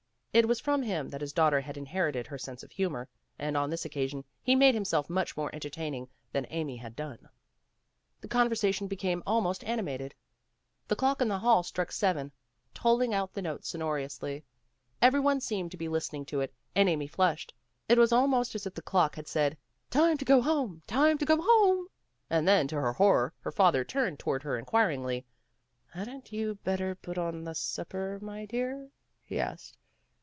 It was from him that his daughter had inherited her sense of humor, and on this occasion he WHAT'S IN A NAME? 11 made himself much more entertaining than Amy had done. The conversation became al most animated. The clock in the hall struck seven, tolling out the notes sonorously. Every one seemed to be listening to it, and Amy flushed. It was almost as if the clock had said, "Time to go home! Time to go home!" And then to her horror her father turned toward her inquiringly. "Hadn't you better put on the supper, my dear?" he asked.